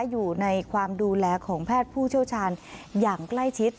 อยู่ในความดูแลของแพทย์ผู้เชี่ยวชาญอย่างใกล้ชิด